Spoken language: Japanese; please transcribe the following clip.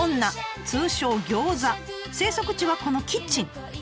通称「餃子」。生息地はこのキッチン。